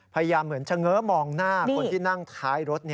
เหมือนเฉง้อมองหน้าคนที่นั่งท้ายรถ